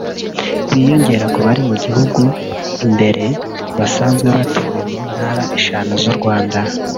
biyongera ku bari mu gihugu imbere basanzwe batuye mu Ntara eshanu z’u Rwanda